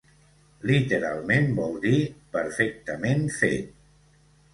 Literalment, vol dir 'perfectament fet'.